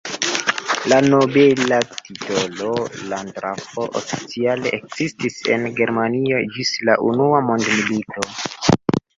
La nobela titolo "landgrafo" oficiale ekzistis en Germanio ĝis la Unua Mondmilito.